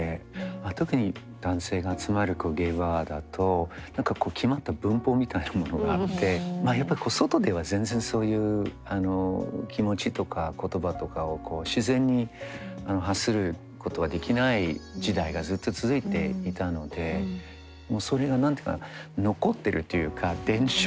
特に男性が集まるゲイバーだと何か決まった文法みたいなものがあってまあやっぱり外では全然そういう気持ちとか言葉とかを自然に発することはできない時代がずっと続いていたのでもうそれが何て言うか残ってるというか伝承